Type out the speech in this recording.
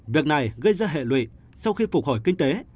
việc này gây ra hệ lụy sau khi phục hồi kinh tế